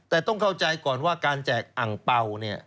แต่ต้องเข้าใจก่อนว่าการแจกอังเป่าเนี่ย